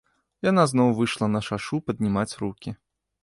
Яна зноў выйшла на шашу паднімаць рукі.